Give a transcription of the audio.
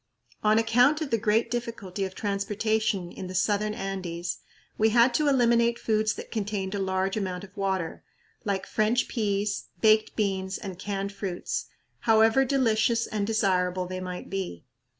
On account of the great difficulty of transportation in the southern Andes we had to eliminate foods that contained a large amount of water, like French peas, baked beans, and canned fruits, however delicious and desirable they might be.